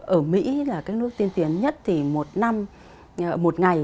ở mỹ là các nước tiên tiến nhất thì một năm một ngày